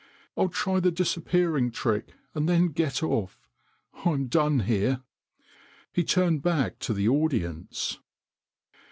" I'll try the disappearing trick and then get off. I'm done here." He turned back to the audience.